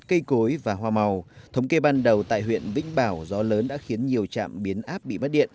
cây cối và hoa màu thống kê ban đầu tại huyện vĩnh bảo gió lớn đã khiến nhiều trạm biến áp bị mất điện